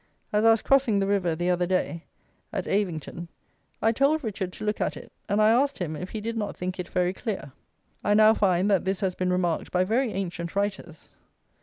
As I was crossing the river the other day, at Avington, I told Richard to look at it, and I asked him if he did not think it very clear. I now find that this has been remarked by very ancient writers.